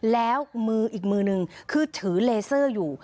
แล้วมืออีกมือนึงคือถือเลเซอร์อยู่